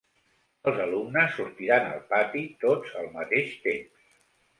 Els alumnes sortiran al patí tots al mateix temps.